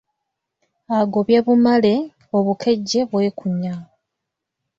Agobye bumale, obukejje bwekunya.